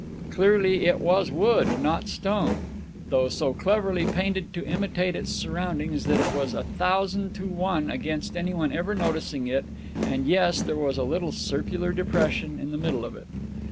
Clearly it was wood, not stone, though so cleverly painted to imitate its surroundings that it was a thousand to one against anyone ever noticing it; and yes, there was a little circular depression in the middle of it.